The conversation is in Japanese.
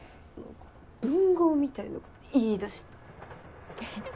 文豪みたいなこと言いだした。